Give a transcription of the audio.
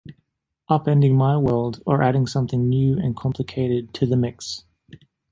upending my world or adding something new and complicated to the mix